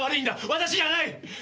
私じゃない！